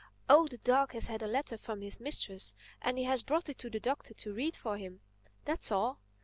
"Oh, the dog has had a letter from his mistress and he has brought it to the Doctor to read for him. That's all.